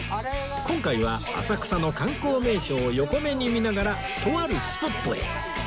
今回は浅草の観光名所を横目に見ながらとあるスポットへ